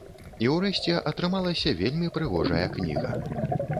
І ўрэшце атрымалася вельмі прыгожая кніга.